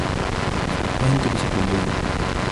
فهمت بشكل جيّد.